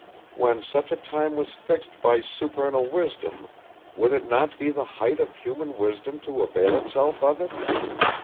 When such a time was fixed by supernal wisdom, would it not be the height of human wisdom to avail itself of it?